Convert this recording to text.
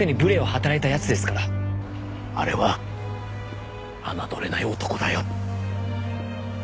あれは侮れない男だよ。